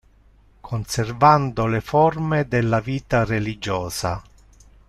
Conservando le forme della vita religiosa.